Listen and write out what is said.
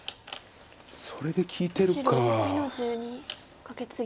それで利いてるか。